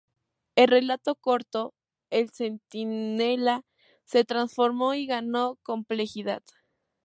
El relato corto "El centinela" se transformó y ganó complejidad.